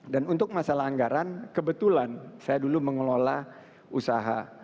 dan untuk masalah anggaran kebetulan saya dulu mengelola usaha